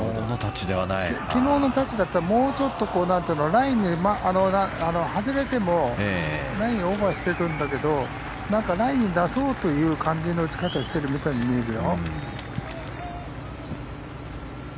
昨日のタッチだったらもうちょっと、外れてもラインをオーバーしていくんだけどラインに出そうという感じの打ち方をしているように見える。